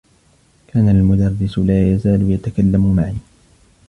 كان المدرّس لا يزال يتكلّم معي.